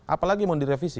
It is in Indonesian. apalagi mau direvisi